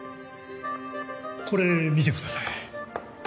これ見てください。